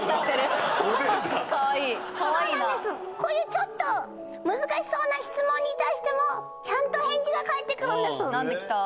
おでんだかわいいかわいいなこういうちょっと難しそうな質問に対してもちゃんと返事が返ってくるんです何てきた？